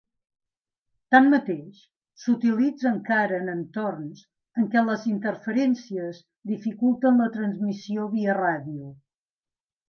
Tanmateix, s'utilitza encara en entorns en què les interferències dificulten la transmissió via ràdio.